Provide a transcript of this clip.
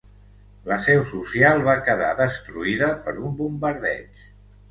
La seu social va quedar destruïda per un bombardeig.